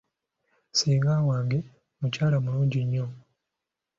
Ssenga wange mukyala mulungi nnyo.